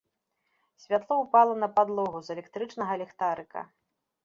Святло ўпала на падлогу з электрычнага ліхтарыка.